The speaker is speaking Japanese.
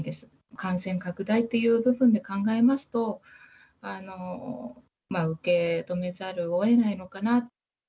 感染拡大っていう部分で考えますと、受け止めざるをえないのかな。